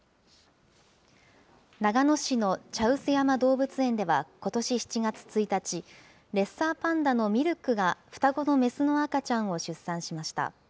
長野市の茶臼山動物園ではことし７月１日、レッサーパンダのミルクが双子の雌の赤ちゃんを出産しました。